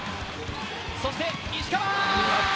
そして石川！